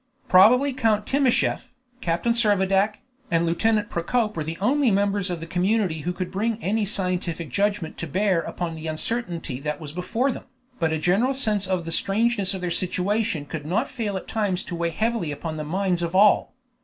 Probably Count Timascheff, Captain Servadac, and Lieutenant Procope were the only members of the community who could bring any scientific judgment to bear upon the uncertainty that was before them, but a general sense of the strangeness of their situation could not fail at times to weigh heavily upon the minds of all.